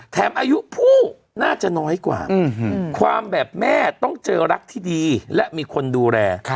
อายุผู้น่าจะน้อยกว่าความแบบแม่ต้องเจอรักที่ดีและมีคนดูแล